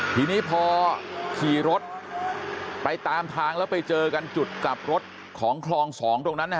ทีนี้พอขี่รถไปตามทางแล้วไปเจอกันจุดกลับรถของคลอง๒ตรงนั้น